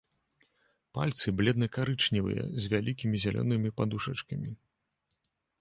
Пальцы бледна-карычневыя, з вялікімі зялёнымі падушачкамі.